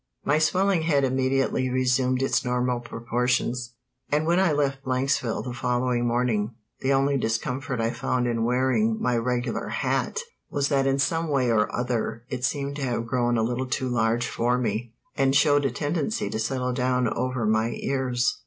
My swelling head immediately resumed its normal proportions, and when I left Blanksville the following morning the only discomfort I found in wearing my regular hat was that in some way or other it seemed to have grown a little too large for me, and showed a tendency to settle down over my ears.